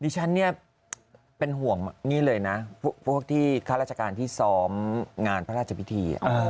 ฉันเนี่ยเป็นห่วงนี่เลยนะพวกที่ข้าราชการที่ซ้อมงานพระราชพิธี